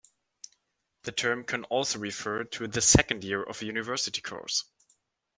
The term can also refer to the second year of a university course.